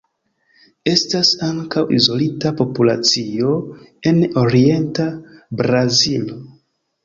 Estas ankaŭ izolita populacio en orienta Brazilo.